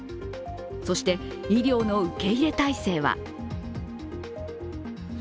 そして、医療の受け入れ体制は。